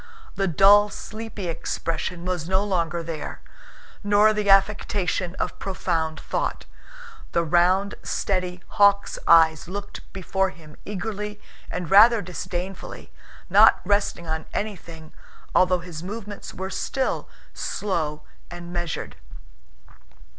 The dull, sleepy expression was no longer there, nor the affectation of profound thought. The round, steady, hawk's eyes looked before him eagerly and rather disdainfully, not resting on anything although his movements were still slow and measured.